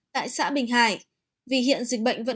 tại xã bình hải